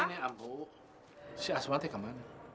ibu si asma kemana